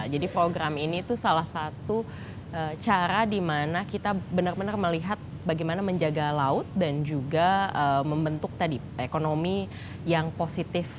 jadi program ini itu salah satu cara di mana kita benar benar melihat bagaimana menjaga laut dan juga membentuk tadi ekonomi yang positif